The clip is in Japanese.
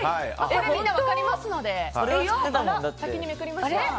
みんな、分かりますので先にめくりました。